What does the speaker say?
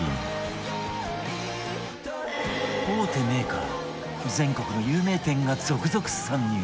大手メーカー全国の有名店が続々参入